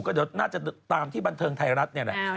ง่อนน่าจะตกตามที่บันเทิงไทยรัฐ